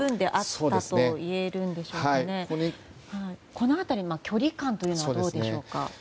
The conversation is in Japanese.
この辺り距離感はどうでしょうか。